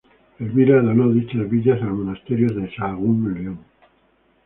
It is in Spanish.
Elvira donó dichas villas al monasterio de Sahagún en León.